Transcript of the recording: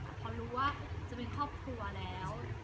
แต่พอรู้ว่าจะเป็นครอบครัวแล้ว